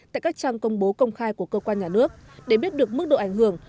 tại các trang công bố công khai của cơ quan nhà nước để biết được mức độ ảnh hưởng